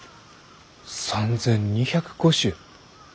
３，２０５種？